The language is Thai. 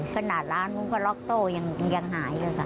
ขนาดร้านมุมก็ล็อคโต้ยังหายก็ค่ะ